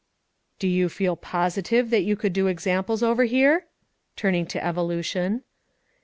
"Do you feel positive that you could do examples over here?" turning to "Evolution."